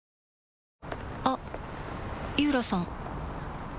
あっ井浦さん